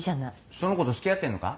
その子と付き合ってんのか？